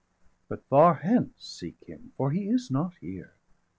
But far hence seek him, for he is not here.